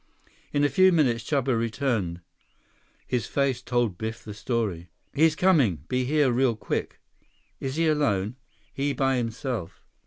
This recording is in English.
In a few minutes Chuba returned. His face told Biff the story. "He's coming. Be here real quick." "Is he alone?" "He by himself."